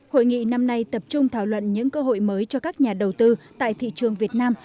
hội nghị năm nay tập trung thảo luận những cơ hội mới cho các nhà đầu tư tại thị trường việt nam